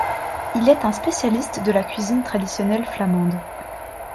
Il est un spécialiste de la cuisine traditionnelle flamande.